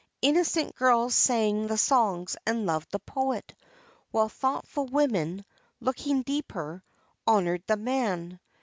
Innocent girls sang the songs and loved the poet, while thoughtful women, looking deeper, honored the man.